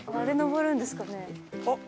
あっ！